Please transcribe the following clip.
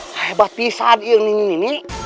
hebat bisa ini